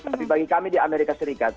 tapi bagi kami di amerika serikat